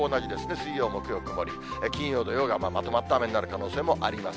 水曜、木曜曇り、金曜、土曜がまとまった雨になる可能性もあります。